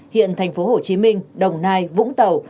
hiện thành phố hồ chí minh đồng nai vũng tàu